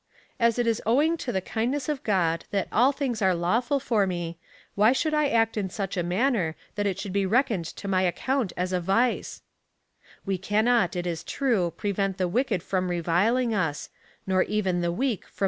" As it is owing to the kind ness of God that all things are lawful for we, why should I act in such a manner, that it should be reckoned to my account as a vice V We cannot, it is true, prevent the wicked from reviling us, nor even the weak from being 1 It is omitted in the Alex.